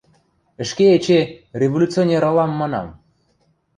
– Ӹшке эче «революционер ылам» манам.